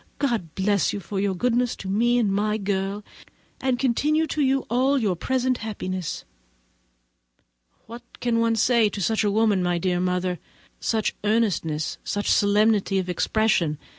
God bless you, for your goodness to me and my girl, and continue to you all your present happiness." What can one say of such a woman, my dear mother? Such earnestness, such solemnity of expression!